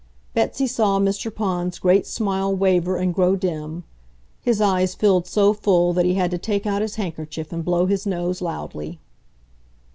Betsy saw Mr. Pond's great smile waver and grow dim. His eyes filled so full that he had to take out his handkerchief and blow his nose loudly.